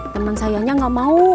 temen sayanya nggak mau